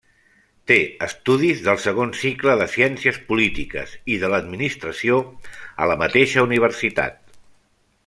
Té estudis del segon cicle de Ciències Polítiques i de l'Administració a la mateixa universitat.